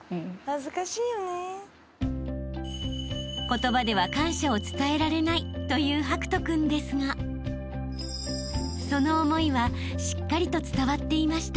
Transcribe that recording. ［言葉では感謝を伝えられないという博仁君ですがその思いはしっかりと伝わっていました］